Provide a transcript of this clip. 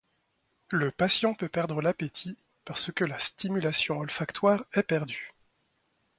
Le patient peut perdre l'appétit parce que la stimulation olfactoire est perdue.